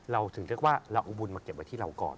เราถึงเรียกว่าเราเอาบุญมาเก็บไว้ที่เราก่อน